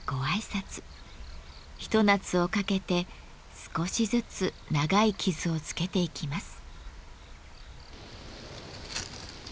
ひと夏をかけて少しずつ長い傷をつけていきます。